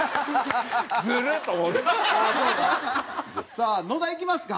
さあ野田いきますか？